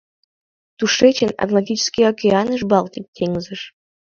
Тушечын — Атлантический океаныш, Балтик теҥызыш.